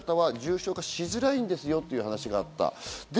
若い方は重症化しづらいですよという話があった。